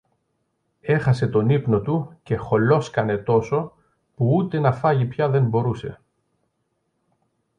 Έχασε τον ύπνο του και χολόσκανε τόσο, που ούτε να φάγει πια δεν μπορούσε.